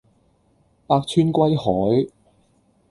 百川歸海